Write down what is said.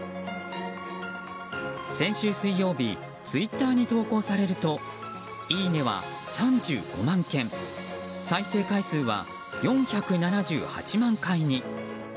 先週水曜日ツイッターに投稿されるといいねは３５万件再生回数は４７８万回に。